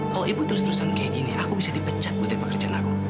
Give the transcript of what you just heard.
kalau ibu terus terusan kayak gini aku bisa dipecat buat tipe kerjaan aku